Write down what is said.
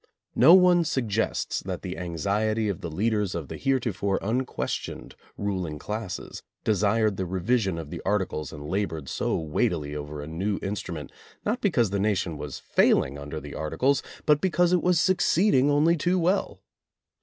No one suggests that the anxiety of the leaders of the heretofore unquestioned ruling classes desired the revision of the Articles and labored so weightily over a new instrument not because the nation was failing un der the Articles but because it was succeeding only too well.